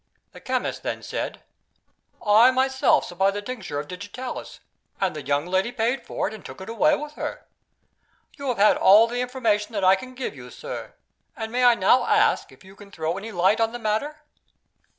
The chemist then said: "I myself supplied the Tincture of Digitalis, and the young lady paid for it, and took it away with her. You have had all the information that I can give you, sir; and I may now ask, if you can throw any light on the matter."